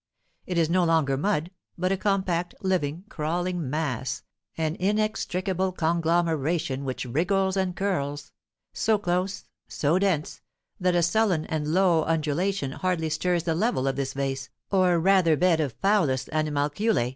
It is no longer mud, but a compact, living, crawling mass, an inextricable conglomeration which wriggles and curls; so close, so dense, that a sullen and low undulation hardly stirs the level of this vase, or rather bed of foulest animalculæ.